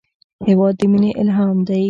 هېواد د مینې الهام دی.